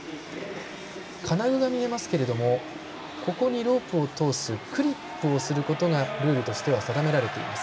課題が見えますがここにロープを通すクリップをすることがルールとしては定められています。